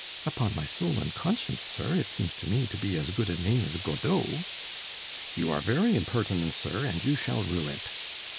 "Upon my soul and conscience, sir, it seems to me to be as good a name as Godeau." "You are very impertinent, sir, and you shall rue it."